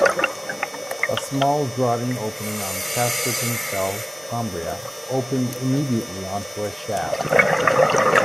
A small draughting opening on Casterton Fell, Cumbria, opened immediately onto a shaft.